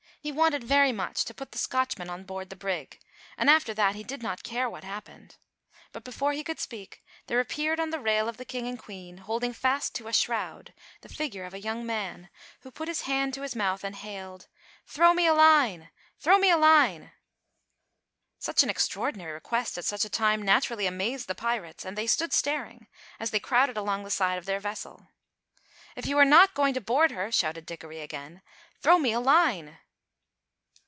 He wanted very much to put the Scotchman on board the brig, and after that he did not care what happened. But before he could speak, there appeared on the rail of the King and Queen, holding fast to a shroud, the figure of a young man, who put his hand to his mouth and hailed: "Throw me a line! Throw me a line!" Such an extraordinary request at such a time naturally amazed the pirates, and they stood staring, as they crowded along the side of their vessel. "If you are not going to board her," shouted Dickory again, "throw me a line!"